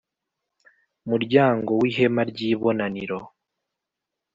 Muryangom w ihema ry ibonaniro